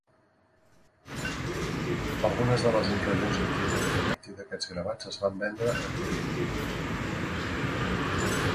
Algunes de les impressions obtingudes a partir d'aquests gravats es van vendre a Torí.